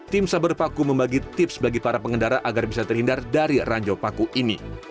tim saber paku membagi tips bagi para pengendara agar bisa terhindar dari ranjau paku ini